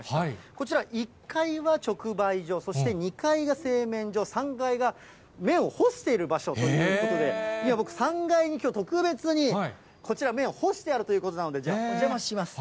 こちら、１階は直売所、そして２階が製麺所、３階が麺を干している場所ということで、僕、３階に特別にこちら、麺を干してあるということなので、お邪魔します。